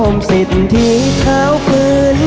ไม่ได้